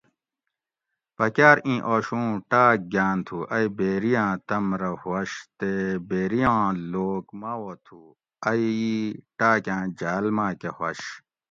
پکاٞر اِیں آشو اُوں ٹاٞک گاٞن تھُو ائ بیری آۤں تم رہ ہُوَش تے بیری آں لوک ماوہ تھُو ائ ئ ٹاۤکاٞں جھاٞل ماکٞہ ہُوَش